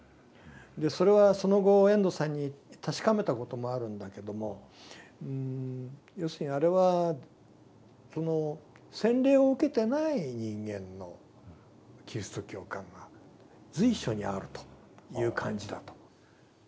それはその後遠藤さんに確かめたこともあるんだけども要するにあれはその洗礼を受けてない人間のキリスト教感が随所にあるという感じだと。